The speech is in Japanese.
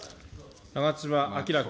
長妻昭君。